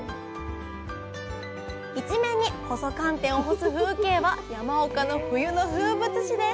一面に細寒天を干す風景は山岡の冬の風物詩です